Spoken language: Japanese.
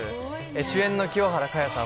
主演の清原果耶さん